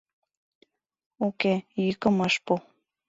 Уке, йӱкым ыш пу.